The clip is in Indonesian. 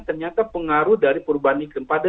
ternyata pengaruh dari perubahan iklim pada